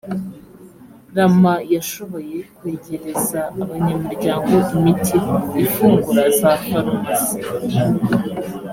rama yashoboye kwegereza abanyamuryango imiti ifungura za farumasi